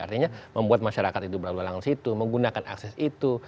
artinya membuat masyarakat itu berlalu lalang situ menggunakan akses itu